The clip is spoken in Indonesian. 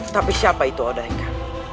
tapi siapa itu odaika